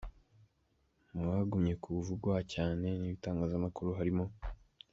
Mu bagumye kuvugwa cyane n’ibitangazamakuru harimo :